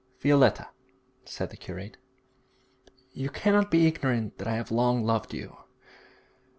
'Violetta,' said the curate, 'you cannot be ignorant that I have long loved you.